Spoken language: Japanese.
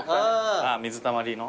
ああ水たまりの？